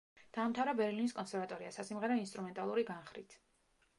დაამთავრა ბერლინის კონსერვატორია სასიმღერო ინსტრუმენტალური განხრით.